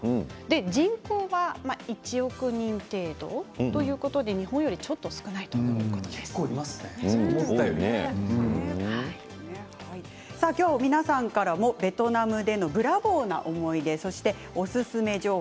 人口は１億人程度ということで日本より今日は皆さんからベトナムでのブラボーな思い出そして、おすすめ情報